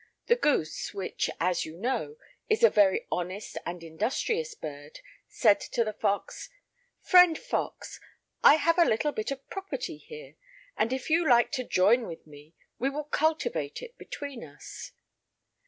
The goose, which, as you know, is a very honest and industrious bird, said to the fox: "Friend fox, I have a little bit of property here, and if you like to join with me, we will cultivate it between us."